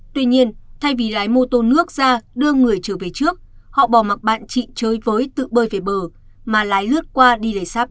tuy nhiên thay vì lái mô tô nước ra đưa người trở về trước họ bỏ mặt bạn chị chơi chới vối tự bơi về bờ mà lái lướt qua đi lấy sắp